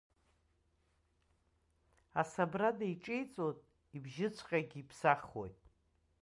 Асабрада иҿеиҵоит, ибжьыҵәҟьагьы иԥсахуеит.